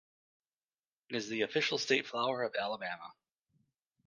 It is the official state flower of Alabama.